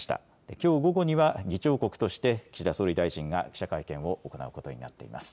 きょう午後には議長国として岸田総理大臣が記者会見を行うことになっています。